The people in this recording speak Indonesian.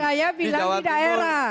saya bilang di daerah